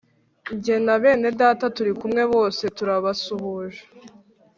jye na bene Data turi kumwe bose turabasuhuje